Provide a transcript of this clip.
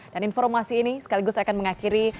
dan informasi ini sekaligus akan mengakhiri